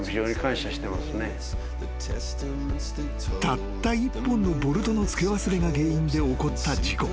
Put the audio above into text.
［たった一本のボルトのつけ忘れが原因で起こった事故］